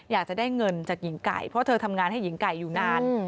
อยากจะได้เงินจากหญิงไก่เพราะเธอทำงานให้หญิงไก่อยู่นาน